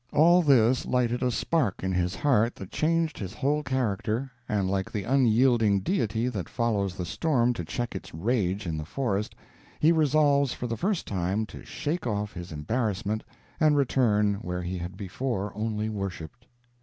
All this lighted a spark in his heart that changed his whole character, and like the unyielding Deity that follows the storm to check its rage in the forest, he resolves for the first time to shake off his embarrassment and return where he had before only worshiped.